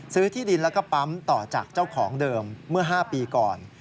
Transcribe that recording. ที่ดินแล้วก็ปั๊มต่อจากเจ้าของเดิมเมื่อ๕ปีก่อน